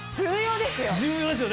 重要ですよ！